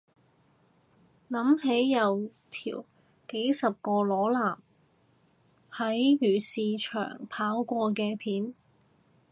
諗起有條幾十個裸男喺漁市場跑過嘅片